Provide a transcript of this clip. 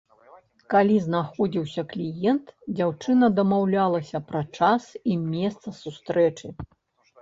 Калі знаходзіўся кліент, дзяўчына дамаўлялася пра час і месца сустрэчы.